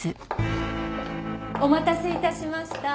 お待たせ致しました。